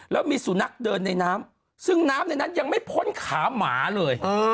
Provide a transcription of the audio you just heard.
แล้วมีสุนัขเดินในน้ำซึ่งน้ำในนั้นยังไม่พ้นขาหมาเลย